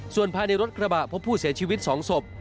ส่วนภายในรถกระบะพบผู้เสียชีวิต๒ศพ